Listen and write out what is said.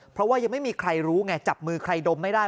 เพราะว่ายังไม่มีใครรู้ไงจับมือใครดมไม่ได้